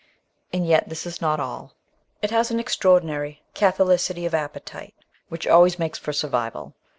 And yet this is not all. It has an extraordinary catho licity of appetite, which always makes for survival.